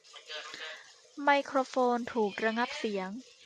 ไมโครโฟนถูกระงับเสียง